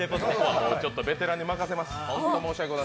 ベテランに任せます。